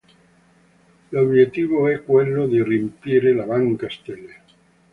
L'obiettivo è quello di riempire la Banca Stelle.